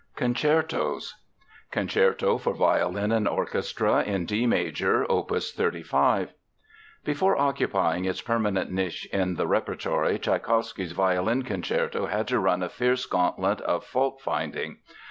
CONCERTOS CONCERTO FOR VIOLIN AND ORCHESTRA, IN D MAJOR, OPUS 35 Before occupying its permanent niche in the repertory, Tschaikowsky's violin concerto had to run a fierce gantlet of fault finding.